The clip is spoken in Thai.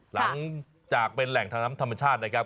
หลังจากเป็นแหล่งทางน้ำธรรมชาตินะครับ